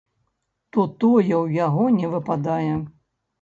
То тое ў яго не выпадае.